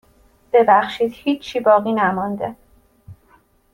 ببخشید هیچی باقی نمانده.